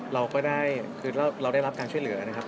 เราก็ได้คือเราได้รับการช่วยเหลือนะครับ